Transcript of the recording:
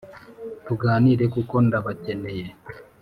tuganire kuko ndabakeneye”